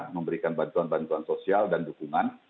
memberikan bantuan bantuan sosial dan dukungan